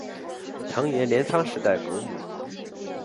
藤原镰仓时代国母。